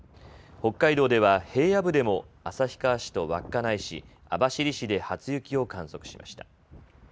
北海道では平野部でも旭川市と稚内市、網走市で初雪を観測しました。